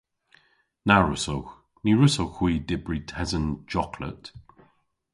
Na wrussowgh. Ny wrussowgh hwi dybri tesen joklet.